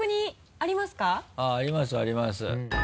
ありますあります。